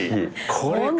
これか！